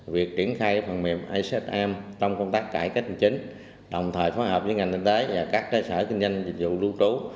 việc triển khai phần mềm icsm trong công tác cải kết hình chính đồng thời phối hợp với ngành y tế và các cơ sở kinh doanh dịch vụ lưu trú